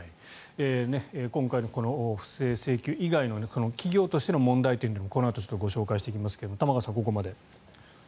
今回の不正請求以外の企業としての問題点もこのあとご紹介していきますが玉川さん、ここまで。